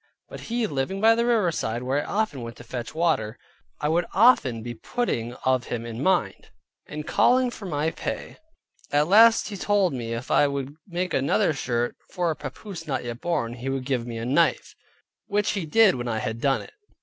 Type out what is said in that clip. But he living by the riverside, where I often went to fetch water, I would often be putting of him in mind, and calling for my pay: At last he told me if I would make another shirt, for a papoose not yet born, he would give me a knife, which he did when I had done it.